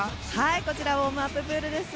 こちらウォームアッププールです。